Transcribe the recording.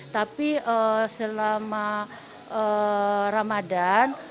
tapi selama ramadan